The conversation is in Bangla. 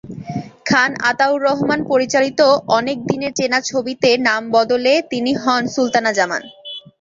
খান আতাউর রহমান পরিচালিত ‘অনেক দিনের চেনা’ ছবিতে নাম বদলে তিনি হন সুলতানা জামান।